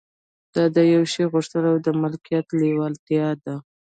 دا د يوه شي غوښتل او د مالکيت لېوالتيا ده.